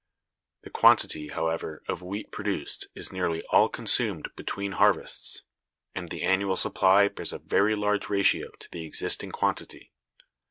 The quantity, however, of wheat produced is nearly all consumed between harvests; and the annual supply bears a very large ratio to the existing quantity.